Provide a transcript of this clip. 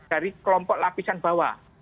dari kelompok lapisan bawah